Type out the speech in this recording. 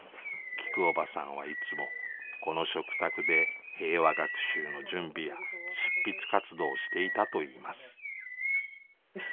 きくおばさんはいつもこの食卓で平和学習の準備や執筆活動をしていたといいます。